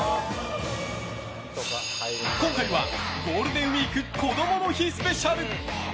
今回はゴールデンウイークこどもの日スペシャル！